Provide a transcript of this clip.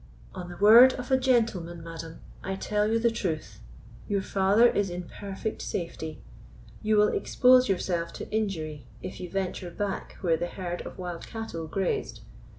"On the word of a gentleman, madam, I tell you the truth; your father is in perfect safety; you will expose yourself to injury if you venture back where the herd of wild cattle grazed.